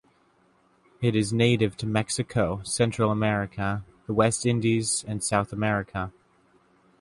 It is native to Mexico, Central America, the West Indies and South America.